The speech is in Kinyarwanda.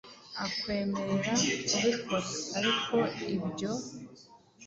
akwemerera kubikora, ariko i byo"